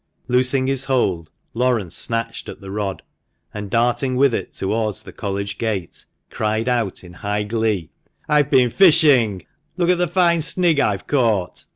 Loosing his hold, Laurence snatched at the rod, and, darting with it towards the College gate, cried out in high glee, "I've been fishing; look at the fine snig (eel) I've caught!"